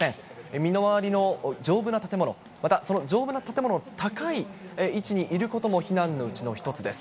身の回りの丈夫な建物、またその丈夫な建物の高い位置にいることも避難のうちの一つです。